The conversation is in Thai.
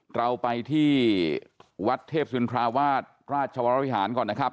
กลัวไปที่วัดเทพศรีรินทราวาสรหัสเชาะรพิหารก่อนนะครับ